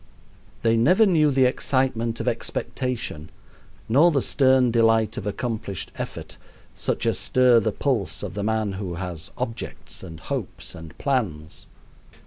They never knew the excitement of expectation nor the stern delight of accomplished effort, such as stir the pulse of the man who has objects, and hopes, and plans.